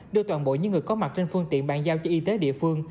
đưa toàn bộ những người có mặt trên phương tiện bàn giao cho y tế địa phương